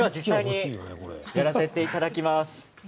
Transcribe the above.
やらせていただきます。